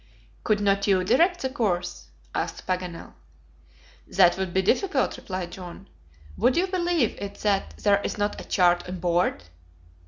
"Could not you direct the course?" asked Paganel. "That would be difficult," replied John. "Would you believe it that there is not a chart on board?"